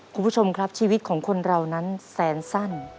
คุณผู้ชมครับชีวิตของคนเรานั้นแสนสั้น